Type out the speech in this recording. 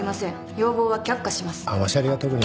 要望は却下します。